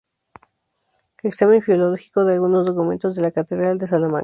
Examen filológico de algunos documentos de la Catedral de Salamanca".